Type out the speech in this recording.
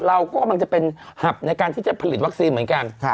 เราก็กำลังจะเป็นหับในการที่จะผลิตวัคซีนเหมือนกัน